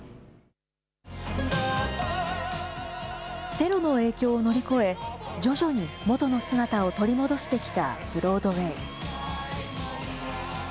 テロの影響を乗り越え、徐々に元の姿を取り戻してきたブロードウェイ。